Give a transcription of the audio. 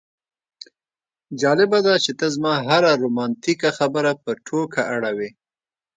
جالبه ده چې ته زما هره رومانتیکه خبره په ټوکه اړوې